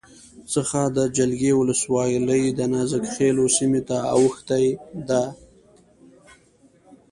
څخه د جلگې ولسوالی دنازک خیلو سیمې ته اوښتې ده